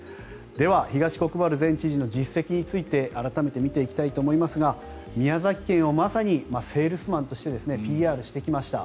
では東国原前知事の実績について改めて見ていきたいと思いますが宮崎県をまさにセールスマンとして宣伝してきました。